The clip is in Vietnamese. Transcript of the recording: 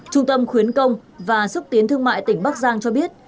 trung tâm khuyến công và xúc tiến thương mại tỉnh bắc giang cho biết